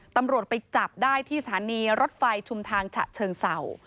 ตำรวจไปจับได้ที่สถานีรถไฟชุมทางฉะเชิงเศร้า